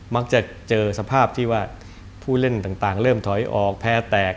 มักจะเจอสภาพที่ว่าผู้เล่นต่างเริ่มถอยออกแพ้แตก